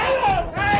ini tadi yang menang